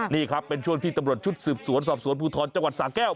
นี่ครับเป็นช่วงที่ตำรวจชุดสืบสวนสอบสวนภูทรจังหวัดสาแก้ว